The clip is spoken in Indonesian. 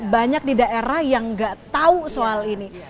banyak di daerah yang nggak tahu soal ini